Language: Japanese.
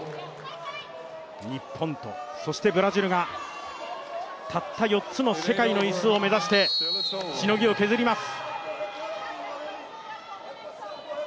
日本とブラジルがたった４つの世界の椅子を目指してしのぎを削ります。